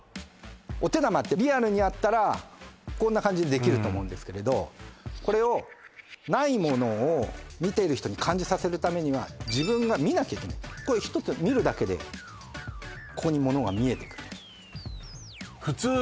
お手玉ってリアルにやったらこんな感じでできると思うんですけれどこれをない物を見ている人に感じさせるためには自分が見なきゃいけない１つ見るだけでここに物が見えてくる普通